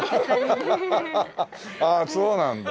ああそうなんだ。